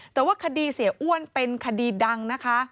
แต่ว่าคดีเสียอ้วนเป็นคดีดังนะคะ